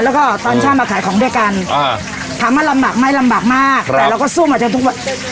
แล้วก็ตอนเช้ามาขายของด้วยกันอ่าถามว่าลำบากไหมลำบากมากแต่เราก็ซ่วมอาจจะทุกวัน